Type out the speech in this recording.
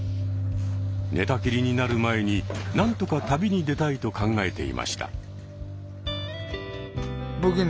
寝たきりになる前になんとか旅に出たいと考えていました。